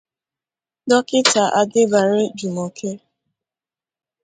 Dọkịta Adebare Jumoke